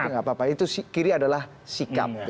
tapi nggak apa apa itu kiri adalah sikat